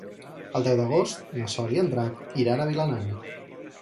El deu d'agost na Sol i en Drac iran a Vilanant.